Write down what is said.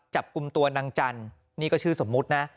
จับกลุ่มตัวนางจันทร์นี่ก็ชื่อสมมุตินะ